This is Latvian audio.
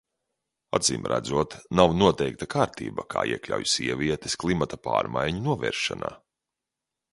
Acīmredzot nav noteikta kārtība, kā iekļaut sievietes klimata pārmaiņu novēršanā.